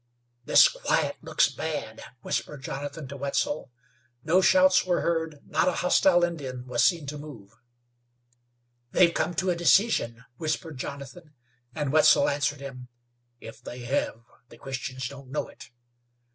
"This quiet looks bad," whispered Jonathan to Wetzel. No shouts were heard; not a hostile Indian was seen to move. "They've come to a decision," whispered Jonathan, and Wetzel answered him: "If they hev, the Christians don't know it."